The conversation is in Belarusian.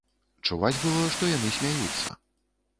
Чуваць было, што яны смяюцца.